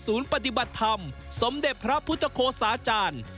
ศูนย์ปฏิบัติธรรมสมเด็จพระพุทธโครศาจารย์